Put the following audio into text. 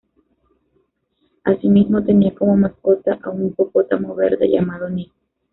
Asimismo, tenía como mascota a un hipopótamo verde llamado "Nic".